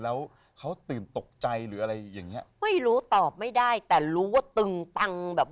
แล้วเขาตื่นตกใจหรืออะไรอย่างเงี้ยไม่รู้ตอบไม่ได้แต่รู้ว่าตึงตังแบบ